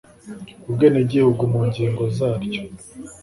ubwenegihugu mu ngingo zaryo